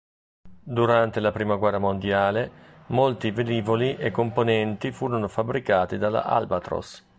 Durante la prima guerra mondiale molti velivoli e componenti furono fabbricati dalla Albatros.